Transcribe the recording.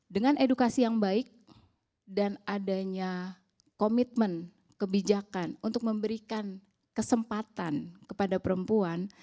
dengan edukasi yang baik dan adanya komitmen kebijakan untuk memberikan kesempatan kepada perempuan